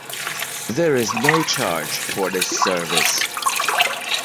There is no charge for this service.